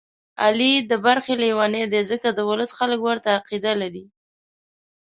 علي د برخې لېونی دی، ځکه د ولس خلک ورته عقیده لري.